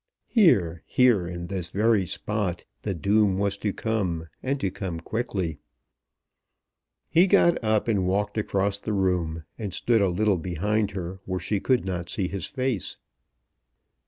Here, here in this very spot, the doom was to come, and to come quickly. He got up and walked across the room, and stood a little behind her, where she could not see his face.